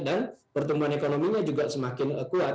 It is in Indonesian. dan pertumbuhan ekonominya juga semakin kuat